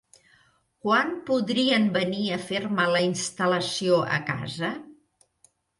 Quan podrien venir a fer-me la instal·lació a casa?